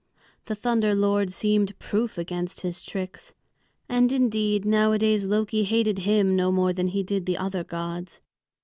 The Thunder Lord seemed proof against his tricks. And indeed nowadays Loki hated him no more than he did the other gods.